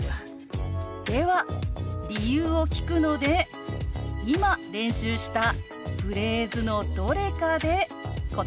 では理由を聞くので今練習したフレーズのどれかで答えてください。